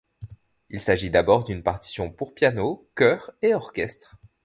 Il s'agit d'abord d'une partition pour piano, chœur et orchestre.